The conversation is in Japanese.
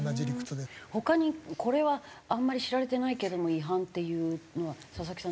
他にこれはあんまり知られてないけども違反っていうのは佐々木さん